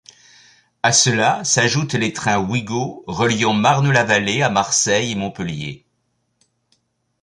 À cela s'ajoutent les trains Ouigo, reliant Marne-la-Vallée à Marseille et Montpellier.